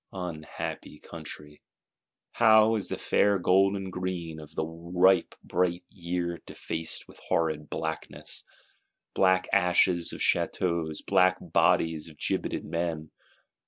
Unhappy country! How is the fair gold and green of the ripe bright Year defaced with horrid blackness: black ashes of Châteaus, black bodies of gibetted Men!